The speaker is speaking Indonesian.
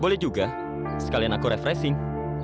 boleh juga sekalian aku refreshing